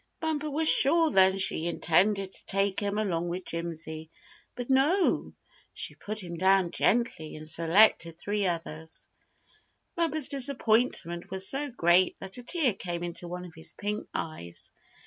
Bumper was sure then that she intended to take him along with Jimsy; but no! she put him down gently, and selected three others. Bumper's disappointment was so great that a tear came into one of his pink eyes.